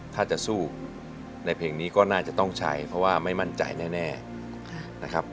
ถ้าจะสู้ในเพลงนี้ก็น่าจะต้องใช้เพราะว่าไม่มั่นใจแน่นะครับ